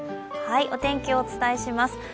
お天気をお伝えします。